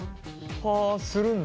はあするんだ？